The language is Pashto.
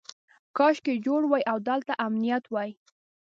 کاشکې جوړ وای او دلته امنیت وای.